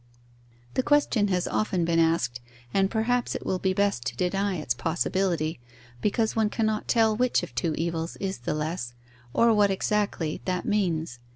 The question has often been asked, and perhaps it will be best to deny its possibility, because one cannot tell which of two evils is the less, or what exactly that means.